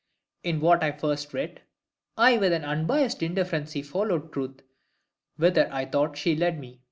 In what I first writ, I with an unbiassed indifferency followed truth, whither I thought she led me.